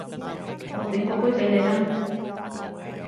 我整過杯畀你啦